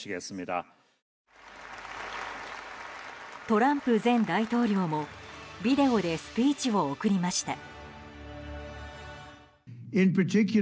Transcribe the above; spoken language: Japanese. トランプ前大統領もビデオでスピーチを送りました。